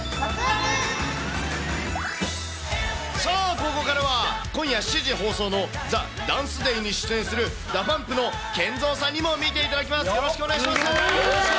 さあここからは、今夜７時放送のＴＨＥＤＡＮＣＥＤＡＹに出演する、ＤＡＰＵＭＰのＫＥＮＺＯさんにも見ていただきます。